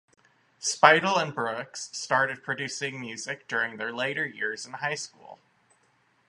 Speidel and Brookes started producing music during their later years in high school.